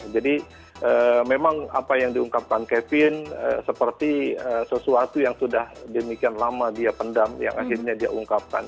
jadi memang apa yang diungkapkan kevin seperti sesuatu yang sudah demikian lama dia pendam yang akhirnya dia ungkapkan